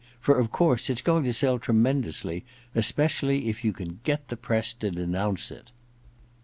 For of course it*s going to sell tremendously ; especially if you can get the press to denounce it.